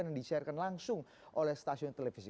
dan disiarkan langsung oleh stasiun televisi